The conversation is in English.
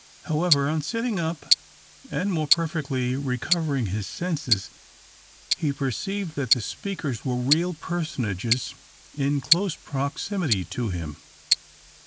However, on sitting up, and more perfectly recovering his senses, he perceived that the speakers were real personages in close proximity to him.